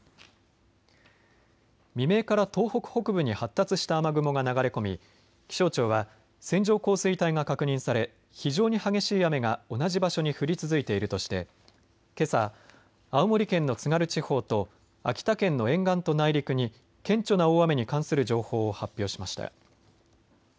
未明から東北北部に発達した雨雲が流れ込み気象庁は線状降水帯が確認され非常に激しい雨が同じ場所に降り続いているとしてけさ青森県の津軽地方と秋田県の沿岸と内陸に顕著な大雨に関する情報を発表しました。